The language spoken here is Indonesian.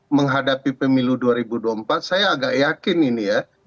menghadapi pemilu dua ribu dua puluh empat saya agak yakin ini ya